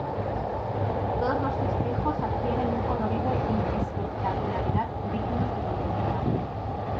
Todos los festejos adquieren un colorido y espectacularidad dignos de contemplar.